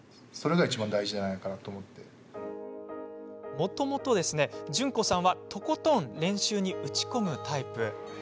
もともと順子さんはとことん練習に打ち込むタイプ。